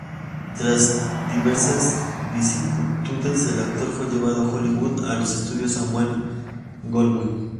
Tras diversas vicisitudes, el actor fue llevado a Hollywood, a los estudios Samuel Goldwyn.